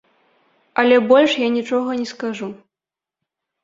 Але больш я нічога не скажу.